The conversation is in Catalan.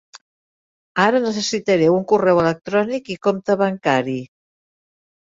Ara necessitaré un correu electrònic i compte bancari.